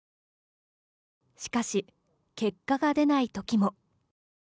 しかし結果が出ないときも。